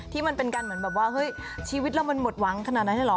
ที่มันเป็นการเหมือนแบบว่าเฮ้ยชีวิตเรามันหมดหวังขนาดนั้นเลยเหรอ